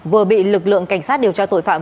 vừa bị lực lượng cảnh sát điều tra tội phạm